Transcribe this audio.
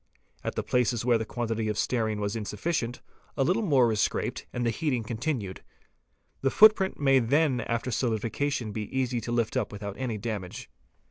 At the places where the quantity of stearine was insufficient, a little more is scraped and the heating continued. The footprint may then after solidification be easily lifted up without any damage.